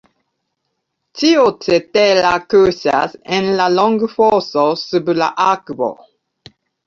Ĉio cetera kuŝas en la longfoso sub la akvo.